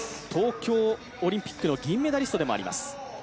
東京オリンピックの銀メダリストでもあります。